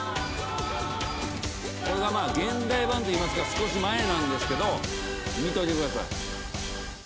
これがまあ現代版といいますか少し前なんですけど見といてください。